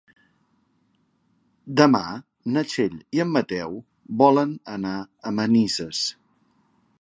Demà na Txell i en Mateu volen anar a Manises.